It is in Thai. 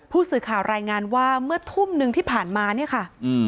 ผู้สื่อข่าวรายงานว่าเมื่อทุ่มหนึ่งที่ผ่านมาเนี่ยค่ะ